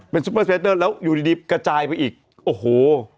เป็นซุปเปอร์เซเดอร์แล้วอยู่ดีกระจายไปอีกโอ้โห